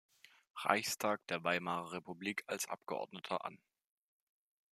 Reichstag der Weimarer Republik als Abgeordneter an.